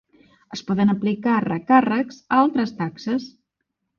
Es poden aplicar recàrrecs a altres taxes.